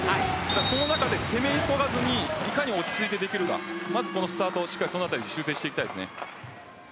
その中で攻め急がずにいかに落ち着いてできるか、スタートそのあたり修正していきたいですね。